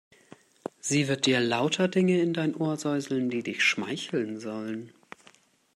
Sie wird dir lauter Dinge in dein Ohr säuseln, die dich schmeicheln sollen.